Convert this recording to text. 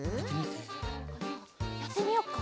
やってみよっか。